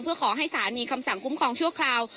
เพื่อขอให้ศาลมีคำสั่งคุ้มครองชั่วคราว